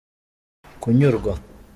kunyurwa.